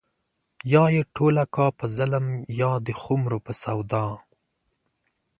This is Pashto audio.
يا يې ټوله کا په ظلم يا د خُمرو په سودا